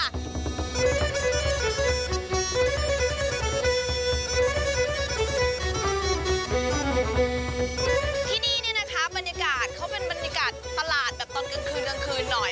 ที่นี่นะคะบรรยากาศเขาเป็นบรรยากาศตลาดแบบตอนกลางคืนหน่อย